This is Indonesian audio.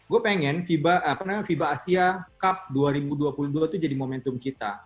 gue pengen fiba asia cup dua ribu dua puluh dua itu jadi momentum kita